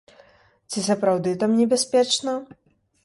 Ці сапраўды там небяспечна?